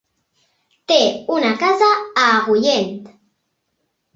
Té una casa a Agullent.